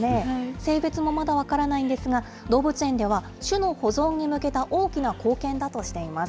性別もまだ分からないんですが、動物園では、種の保存に向けた大きな貢献だとしています。